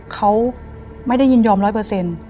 เขาไม่ได้ยินยอมร้อยเปอร์เซ็นต์